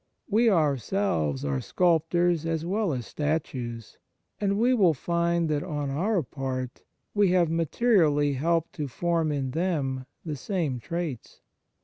We ourselves are sculptors as well as statues, and we will find that, on our part, we have materially helped to form in them the same traits.